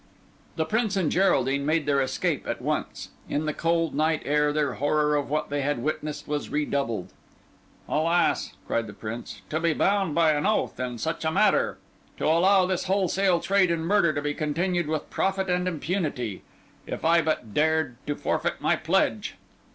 The Prince and Geraldine made their escape at once. In the cold night air their horror of what they had witnessed was redoubled. "Alas!" cried the Prince, "to be bound by an oath in such a matter! to allow this wholesale trade in murder to be continued with profit and impunity! If I but dared to forfeit my pledge!"